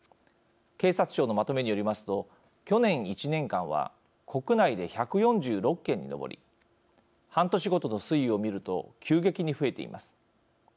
警察庁のまとめによりますと去年１年間は国内で１４６件に上り半年ごとの推移を見ると急激に増えています。